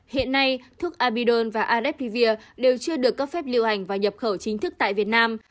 hiện nay thuốc abidol và adepivir đều chưa được cấp phép liệu hành và nhập khẩu chính thức tại việt nam